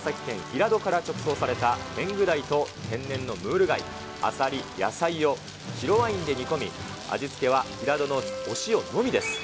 平戸から直送されたテングダイと、天然のムール貝、アサリ、野菜を白ワインで煮込み、味付けは平戸のお塩のみです。